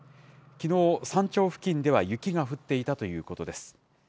きのう、山頂付近では雪が降っていたということです。